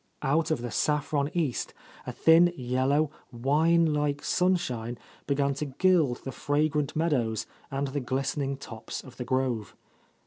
Out of the saffron east a thin, yellow, wine like sun shine began to gild the fragrant meadows and the glistening tops of the grove.